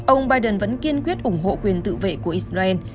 ông biden vẫn kiên quyết ủng hộ quyền tự vệ của israel